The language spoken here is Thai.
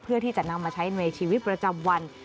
เพื่อที่จะนำมาใช้ในชีวิตประจำวัน